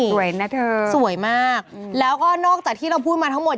เวรนะเธอสวยมากแล้วก็นอกจากที่เราพูดมาทั้งหมด